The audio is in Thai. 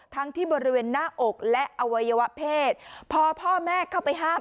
ทั้งที่บริเวณหน้าอกและอวัยวะเพศพอพ่อแม่เข้าไปห้าม